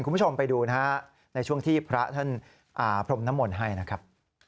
คุณผู้ชมไปดูนะฮะในช่วงที่พระท่านพรมน้ำมนต์ให้นะครับ